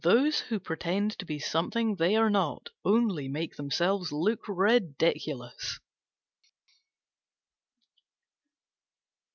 Those who pretend to be something they are not only make themselves ridiculous.